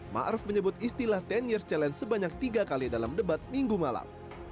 ma'ruf menyebut istilah sepuluh years challenge sebanyak tiga kali dalam debat minggu malam